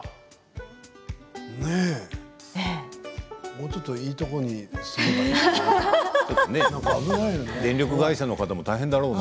もうちょっといいところに住めばいいのにね。